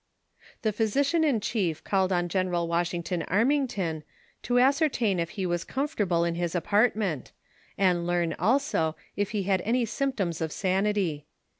'' The physician in chief called on General Washington Armington, to ascertain if he was comfortable in his apartment, and learn, also, if he had any symptoms of sanity.